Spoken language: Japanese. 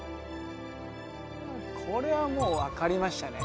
これはもう分かりましたね。